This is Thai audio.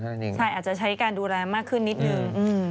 ใช่อาจจะใช้การดูแลมากขึ้นนิดนึง